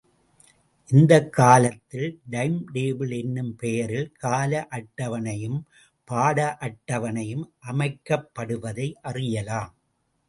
இந்தக் காலத்தில் time table என்னும் பெயரில் கால அட்டவணையும், பாட அட்டவணையும் அமைக்கப் படுவதை அறியலாம்.